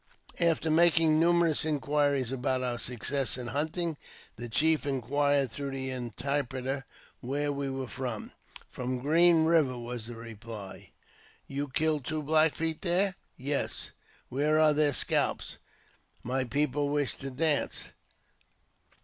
After making numerous inquiries about our success in hunt ing, the chief inquired through the interpreter where we were from. "From Green Eiver," was the reply. " You killed two Black Feet there ?"" Yes." " Where are their scalps ? My people wish to dance."